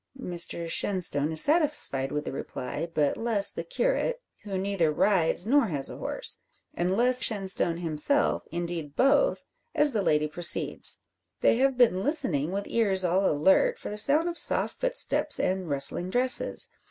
Mr Shenstone is satisfied with the reply; but less the curate, who neither rides nor has a horse. And less Shenstone himself indeed both as the lady proceeds. They have been listening, with ears all alert, for the sound of soft footsteps and rustling dresses.